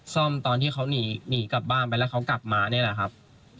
ตอนที่เขาหนีกลับบ้านไปแล้วเขากลับมานี่แหละครับ